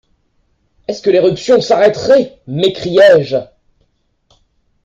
Est-ce que l’éruption s’arrêterait? m’écriai-je.